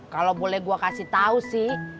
kalau boleh gua kasih tahu sih